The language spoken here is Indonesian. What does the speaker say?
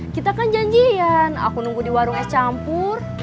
kita kan janjian aku nunggu di warung es campur